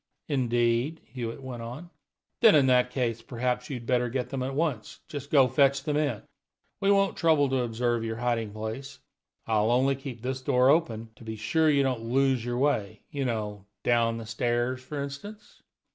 "Indeed?" Hewitt went on. "Then, in that case, perhaps you'd better get them at once. Just go and fetch them in; we won't trouble to observe your hiding place. I'll only keep this door open, to be sure you don't lose your way, you know down the stairs, for instance."